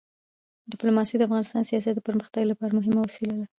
ډیپلوماسي د اقتصادي سیاست د پرمختګ لپاره مهمه وسیله ده.